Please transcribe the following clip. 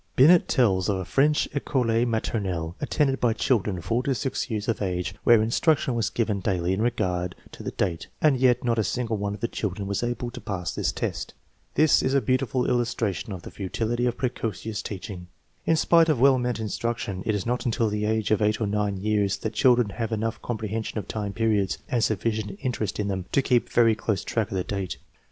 Binet tells of a French fcole maternelle attended by children 4 to 6 years of age, where instruction was given daily in regard to the date, and yet not a single one of the children was able to pass this test. This is a beautiful illustration of the futility of precocious teaching. In spite of well meant instruction, it is not until the age of 8 or 9 years that children have enough comprehension of time periods, and sufficient in terest in them, to keep very close track of the date.